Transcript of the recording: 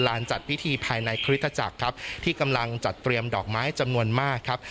จัดพิธีภายในคริสตจักรครับที่กำลังจัดเตรียมดอกไม้จำนวนมากครับ